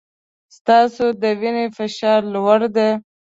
ستاسو د وینې فشار لوړ دی.